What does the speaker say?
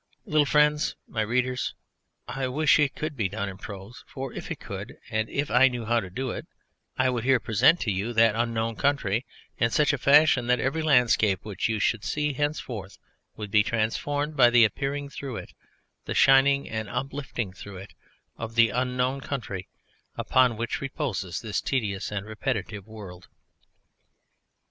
Little friends, my readers, I wish it could be done in prose, for if it could, and if I knew how to do it, I would here present to you that Unknown Country in such a fashion that every landscape which you should see henceforth would be transformed, by the appearing through it, the shining and uplifting through it, of the Unknown Country upon which reposes this tedious and repetitive world.